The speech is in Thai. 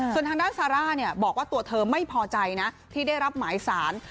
ส่วนทางด้านซาร่าบอกว่าตัวเธอไม่พอใจนะที่ได้รับหมายสาร